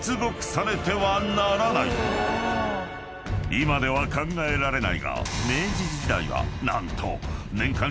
［今では考えられないが］